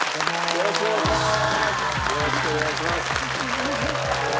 よろしくお願いします！